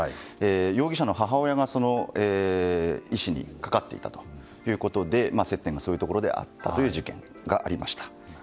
容疑者の母親がその医師にかかっていたということで接点がそういうところであったという事件がありました。